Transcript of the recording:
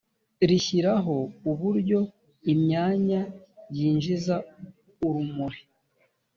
rishyiraho uburyo imyanya yinjiza urumuri.